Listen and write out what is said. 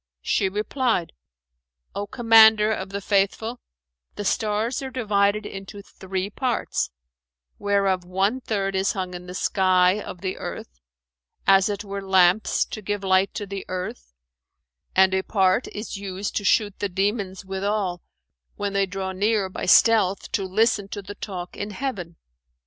She replied: "O Commander of the Faithful, the stars are divided into three parts, whereof one third is hung in the sky of the earth,[FN#427] as it were lamps, to give light to the earth, and a part is used to shoot the demons withal, when they draw near by stealth to listen to the talk in heaven.